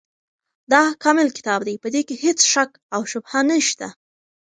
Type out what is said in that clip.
دا کامل کتاب دی، په دي کي هيڅ شک او شبهه نشته